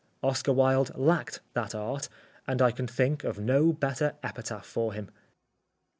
Oscar Wilde lacked that art, and I can think of no better epitaph for him.